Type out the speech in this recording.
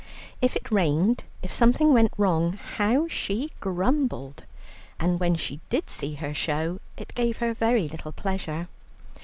If it rained, if something went wrong, how she grumbled. And when she did see her show, it gave her very little pleasure.